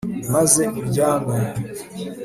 maze uryame